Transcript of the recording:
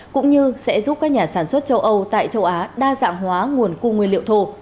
cũng như sẽ giúp các nhà sản xuất châu âu tại châu á đa dạng hóa nguồn cung nguyên liệu thô